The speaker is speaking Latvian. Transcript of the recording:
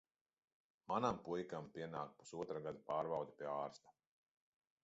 Manam puikam pienāk pusotra gada pārbaude pie ārsta.